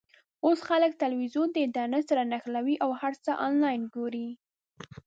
اوس خلک ټلویزیون د انټرنېټ سره نښلوي او هر څه آنلاین ګوري.